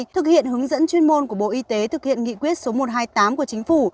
thực hiện hướng dẫn chuyên môn của bộ y tế thực hiện nghị quyết số một trăm hai mươi tám của chính phủ